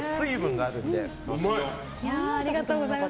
ありがとうございます。